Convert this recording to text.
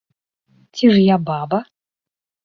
Ці ж я баба?!.